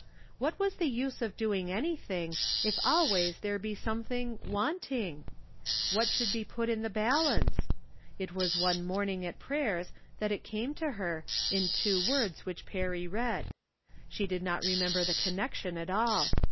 What Avas the use of doing anything, if always there be something " wanting ?" What should be put in the balance ? It was one morning at prayers that it came to her, in two words which Perry read. She did not remember the connection at all.